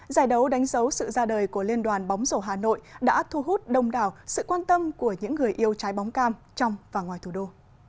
giải đấu đánh dấu sự ra đời của liên đoàn bóng rổ hà nội đã thu hút đông đảo sự quan tâm của những người yêu trái bóng cam trong và ngoài thủ đô